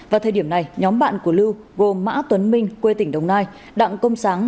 vào thời điểm này nhóm bạn của lưu gồm mã tuấn minh quê tỉnh đồng nai đặng công sáng